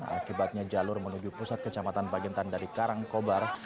akibatnya jalur menuju pusat kecamatan bagian dari karangkobar